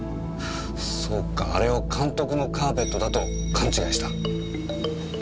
そうかあれを監督のカーペットだと勘違いした。